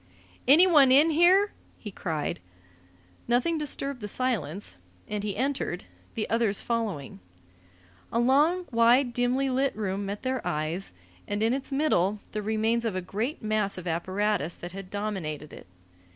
"Anyone in here?" he cried. Nothing disturbed the silence, and he entered, the others following. A long, wide, dimly lit room met their eyes, and in its middle the remains of a great mass of apparatus that had dominated it.